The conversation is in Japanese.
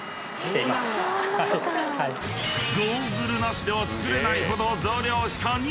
［ゴーグルなしでは作れないほど］